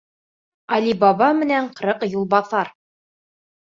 АЛИ БАБА МЕНӘН ҠЫРҠ ЮЛБАҪАР